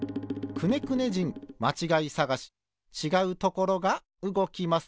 「くねくね人まちがいさがし」ちがうところがうごきます。